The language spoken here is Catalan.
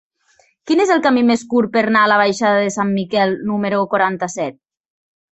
Quin és el camí més curt per anar a la baixada de Sant Miquel número quaranta-set?